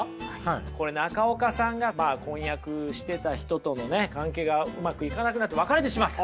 これ中岡さんが婚約してた人との関係がうまくいかなくなって別れてしまった。